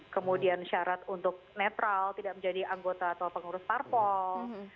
kemudian syarat untuk netral tidak menjadi anggota atau pengurus parpol